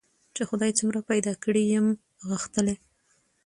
چي خدای څومره پیدا کړی یم غښتلی